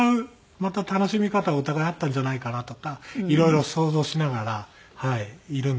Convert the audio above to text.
また楽しみ方がお互いあったんじゃないかなとかいろいろ想像しながらいるんですけども。